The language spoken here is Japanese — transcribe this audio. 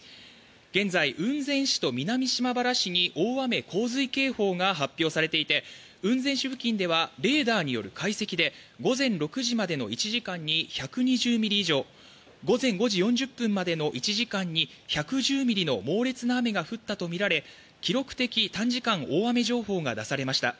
現在、雲仙市と南島原市に大雨・洪水警報が発表されていて雲仙市付近ではレーダーによる解析で午前６時までの１時間に１２０ミリ以上午前５時４０分までの１時間に１１０ミリの猛烈な雨が降ったとみられ記録的短時間大雨情報が出されました。